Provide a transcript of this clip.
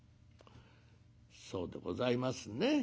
「そうでございますね。